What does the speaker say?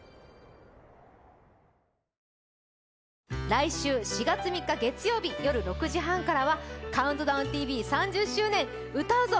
来週４月３日月曜日よる６時半からはＣＤＴＶ３０周年歌うぞ！